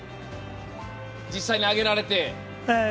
実際に揚げられて。